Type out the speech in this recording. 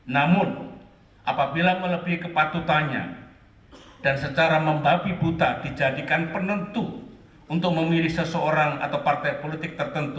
namun apabila melebihi kepatutannya dan secara membabi buta dijadikan penentu untuk memilih seseorang atau partai politik tertentu